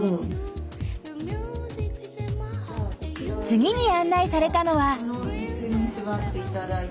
次に案内されたのは。